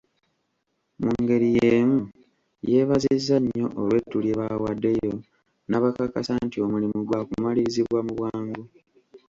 Mu ngeri yeemu, yabeebazizza nnyo olw'ettu lye baawaddeyo n'abakakasa nti omulimu gwakumalirizibwa mu bwangu.